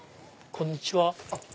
こんにちは。